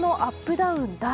ダウン大。